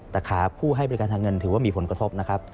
แต่ขาผู้ให้บริการทางเงินถือว่ามีผลกระทบนะครับ